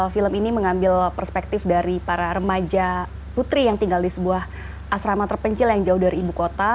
film ini mengambil perspektif dari para remaja putri yang tinggal di sebuah asrama terpencil yang jauh dari ibu kota